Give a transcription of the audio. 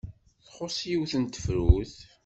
Txuṣṣ yiwet n tefrut.